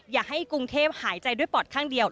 อย่าให้กรุงเทพหายใจด้วยปอดข้างเดียว